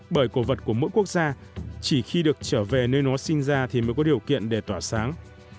bởi cổ vật của mỗi quốc gia chỉ khi được trở về nơi nó sinh ra thì mới có điều kiện để tỏa sáng